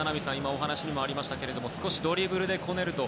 お話にもありましたけども少しドリブルでこねると。